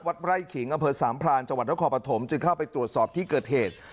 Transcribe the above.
วัดไร่ขิงอสามพรานจคปฐมจึงเข้าไปตรวจสอบที่เกิดเหตุ